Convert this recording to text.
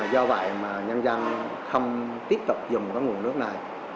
do vậy mà nhân dân không tiếp tục dùng cái nguồn nước này